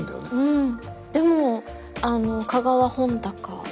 うん。